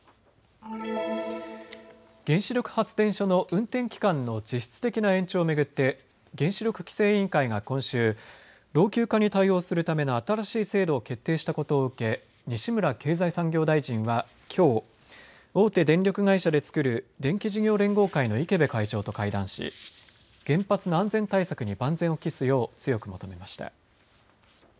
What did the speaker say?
原子力発電所の運転期間の実質的な延長を巡って原子力規制委員会が今週、老朽化に対応するための新しい制度を決定したことを受け西村経済産業大臣はきょう大手電力会社で作る電気事業連合会の池辺会長と会談し、原発の安全対策に万全を期すよう強く求めました。